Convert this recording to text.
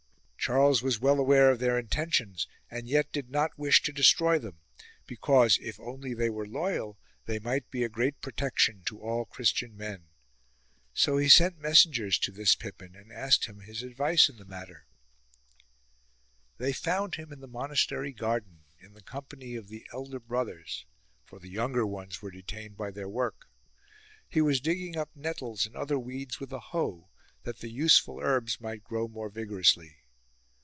Charles was well aware of their intentions, and yet did not wish to destroy them ; because, if only they were loyal, they might be a great protection to all Christian men. So he sent messengers to this Pippin and asked him his advice in the matter. They found him in the monastery garden, in the PIPPIN'S ADVICE companjr of the elder brothers, for the younger ones were detained by their work. He was digging up nettles and other weeds with a hoe, that the useful herbs might grow more vigorously.